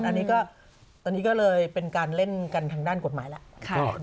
อันนี้ก็ตอนนี้ก็เลยเป็นการเล่นกันทางด้านกฎหมายแล้ว